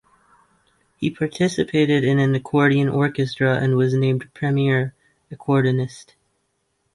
He participated in an accordion orchestra and was named "premier" accordionist.